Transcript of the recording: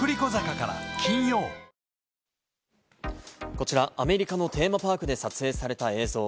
こちらアメリカのテーマパークで撮影された映像。